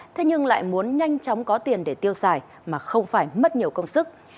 thế nhưng lại muốn nhanh chóng có tiền để tiêu xài mà không phải mất nhiều công sức